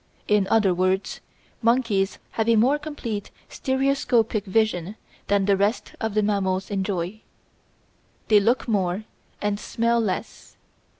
In other words, monkeys have a more complete stereoscopic vision than the rest of the mammals enjoy. They look more and smell less.